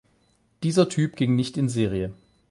Dieser Typ ging nicht in Serie.